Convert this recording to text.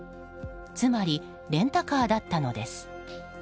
つまり、レンタカーだったのです。